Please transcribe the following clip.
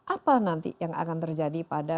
apa nanti yang akan terjadi pada